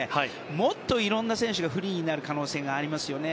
もっといろんな選手がフリーになる可能性がありますよね。